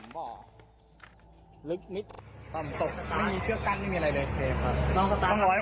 ก็เลยจะเลี้ยวเข้าไปรถมันก็ตกหลุมสิครับ